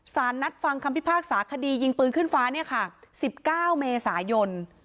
สารนัดฟังคำพิพากษาคดียิงปืนขึ้นฟ้าเนี่ยค่ะ๑๙เมษายน